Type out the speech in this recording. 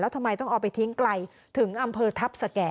ทำไมต้องเอาไปทิ้งไกลถึงอำเภอทัพสแก่